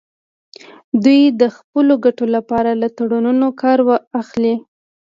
دوی د خپلو ګټو لپاره له تړونونو کار اخلي